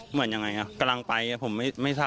เหมือนยังไงกำลังไปผมไม่ทราบ